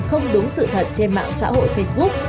không đúng sự thật trên mạng xã hội facebook